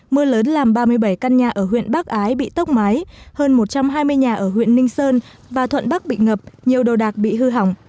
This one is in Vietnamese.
mưa lớn làm ba mươi bảy căn nhà ở huyện bắc ái bị tốc mái hơn một trăm hai mươi nhà ở huyện ninh sơn và thuận bắc bị ngập nhiều đồ đạc bị hư hỏng